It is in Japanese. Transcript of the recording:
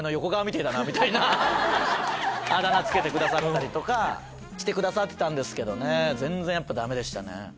あだ名付けてくださったりとかしてくださってたんですけどね全然ダメでしたね。